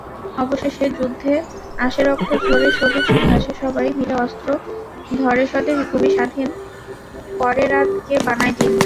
অবশেষে যুদ্ধ আসেরক্ত ঝরে সবুজ ঘাসেসবাই মিলে অস্ত্র ধরেস্বদেশ-ভূমি স্বাধীন করেরাতকে বানায় দিন।